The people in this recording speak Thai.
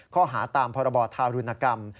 ข้อหาตามพรบธารุณกรรม